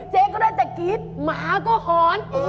เจ๊ก็ได้แต่กรี๊ดหมาก็หอน